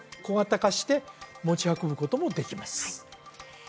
小型化して持ち運ぶこともできます